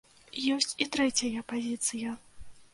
Ёсць і трэцяя пазіцыя.